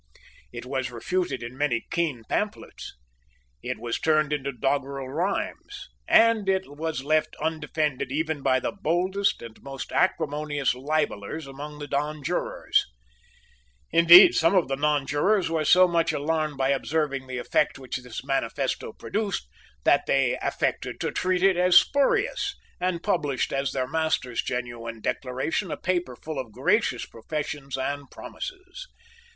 It was refuted in many keen pamphlets; it was turned into doggrel rhymes; and it was left undefended even by the boldest and most acrimonious libellers among the nonjurors. Indeed, some of the nonjurors were so much alarmed by observing the effect which this manifesto produced, that they affected to treat it as spurious, and published as their master's genuine Declaration a paper full of gracious professions and promises.